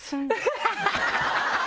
ハハハハ！